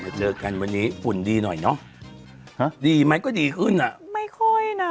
เจอกันวันนี้ฝุ่นดีหน่อยเนอะฮะดีไหมก็ดีขึ้นอ่ะไม่ค่อยน่ะ